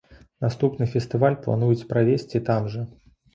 Наступны фестываль плануюць правесці там жа.